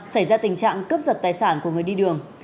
xảy ra tình trạng cướp giật tài sản của người đi đường